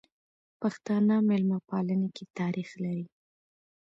پښتانه ميلمه پالنې کی تاریخ لري.